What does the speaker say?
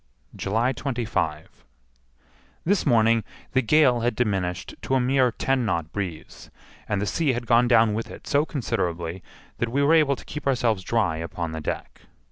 July 25. This morning the gale had diminished to a mere ten knot breeze, and the sea had gone down with it so considerably that we were able to keep ourselves dry upon the deck.